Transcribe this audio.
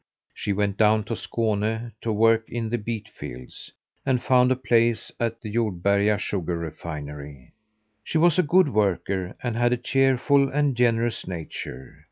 She went down to Skåne to work in the beet fields, and found a place at the Jordberga sugar refinery. She was a good worker and had a cheerful and generous nature.